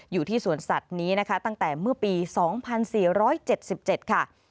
อยู่ที่สวนสัตว์นี้นะคะตั้งแต่เมื่อปี๒๔๗๗ค่ะ